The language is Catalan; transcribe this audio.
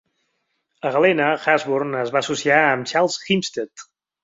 A Galena, Wasburne es va associar amb Charles S. Hempstead.